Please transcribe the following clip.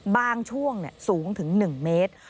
บางช่วงสูงถึง๑เมตร